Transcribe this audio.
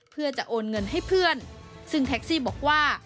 เพื่อจะโอนเงินให้เพื่อนซึ่งแท็กซี่บอกว่า